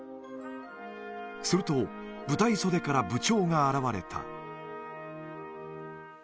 すると、舞台袖から部長が現れた。